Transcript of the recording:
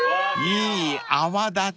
［いい泡立ち］